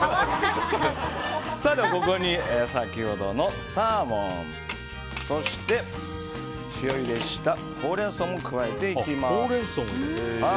ここに先ほどのサーモンそして、塩ゆでしたホウレンソウも加えていきます。